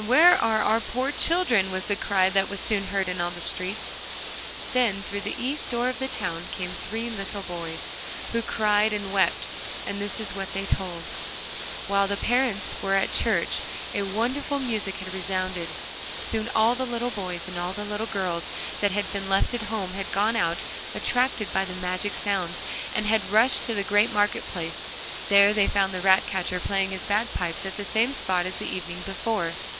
where are our poor children?' was the cry that was soon heard in all the streets. Then through the east door of the town came three little boys, who cried and wept, and this is what they told: While the parents were at church a wonderful music had resounded. Soon all the little boys and all the little girls that had been left at home had gone out, attracted by the magic sounds, and had rushed to the great market place. There they found the ratcatcher playing his bagpipes at the same spot as the evening before.